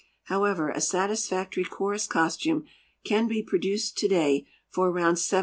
However, a satisfactory chorus costume can be produced today for around $75.